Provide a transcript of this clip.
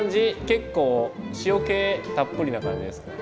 結構塩けたっぷりな感じですか？